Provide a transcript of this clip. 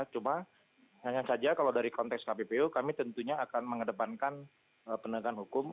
cuma hanya saja kalau dari konteks kppu kami tentunya akan mengedepankan penegakan hukum